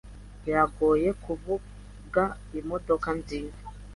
Biragoye kuvuga imodoka nziza.